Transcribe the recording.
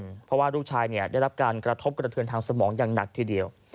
เพราะว่าลูกชายได้รับการกระทบกระเทือนทางสมองอย่างหนักทีเดียว